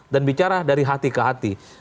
bicara dari hati ke hati